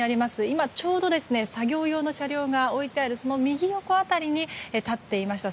今、ちょうど作業用の車両が置いてあるその右横辺りに立っていました。